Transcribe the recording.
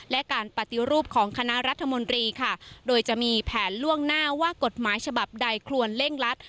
และการปฏิรูปของคณะรัฐมนตรีค่ะโดยจะมีแผนล่วงหน้าว่ากฎหมายฉบับใดควรเร่งรัด